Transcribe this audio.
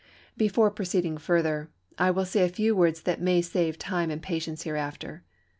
Before proceeding further I will say a few words that may save time and patience hereafter.